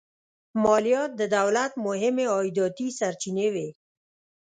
مالیات د دولت مهمې عایداتي سرچینې وې.